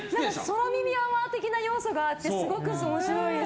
空耳アワー的な要素があってすごく面白いです。